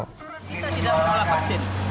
kita tidak menolak vaksin